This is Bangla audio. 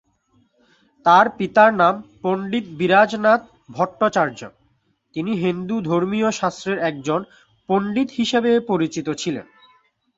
তার পিতার নাম পণ্ডিত বিরাজ নাথ ভট্টাচার্য্য; তিনি হিন্দু ধর্মীয় শাস্ত্রের একজন পণ্ডিত হিসেবে পরিচিত ছিলেন।